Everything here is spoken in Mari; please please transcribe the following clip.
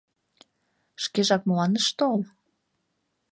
— Шкежак молан ыш тол?